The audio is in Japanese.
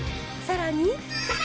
さらに。